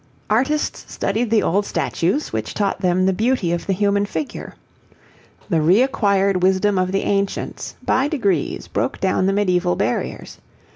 Artists studied the old statues, which taught them the beauty of the human figure. The reacquired wisdom of the ancients by degrees broke down the medieval barriers.